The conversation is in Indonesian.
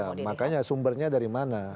ya makanya sumbernya dari mana